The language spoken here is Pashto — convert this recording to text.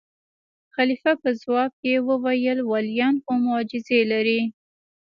خلیفه په ځواب کې وویل: ولیان خو معجزې لري.